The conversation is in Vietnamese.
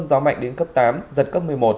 gió mạnh đến cấp tám giật cấp một mươi một